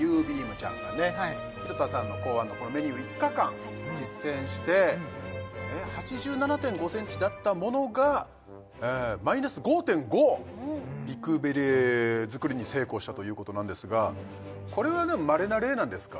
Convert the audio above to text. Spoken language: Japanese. ちゃんがね廣田さんの考案のこのメニュー５日間実践して８７．５センチだったものがマイナス５．５美くびれ作りに成功したということなんですがこれはでもまれな例なんですか？